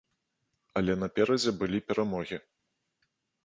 Але наперадзе былі перамогі.